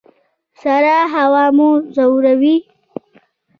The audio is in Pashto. سړه هوا مو ځوروي؟